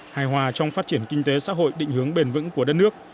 hài hòa trong phát triển kinh tế xã hội định hướng bền vững của đất nước